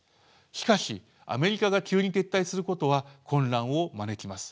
しかしアメリカが急に撤退することは混乱を招きます。